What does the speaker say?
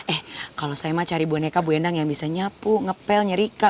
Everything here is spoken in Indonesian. eh kalau saya mah cari boneka bu endang yang bisa nyapu ngepel nyerika